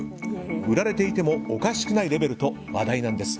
売られていてもおかしくないレベルと話題なんです。